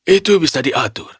itu bisa diatur